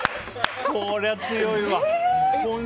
こりゃ強いわ。